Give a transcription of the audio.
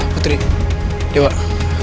putri dewa ke dalam kocok yuk